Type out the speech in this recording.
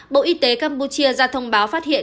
bộ y tế campuchia ra thông báo phát hiện